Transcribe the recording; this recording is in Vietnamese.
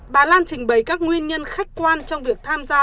bà lan trình bày các nguyên nhân khách quan trong việc tham gia